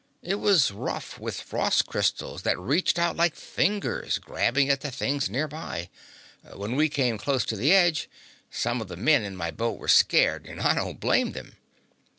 It was rough with frost crystals that reached out like fingers grabbing at the things near by. When we came close to the edge some of the men in my boat were scared, and I don't blame them.